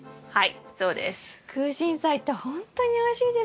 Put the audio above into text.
はい。